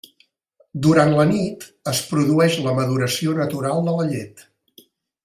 Durant la nit es produeix la maduració natural de la llet.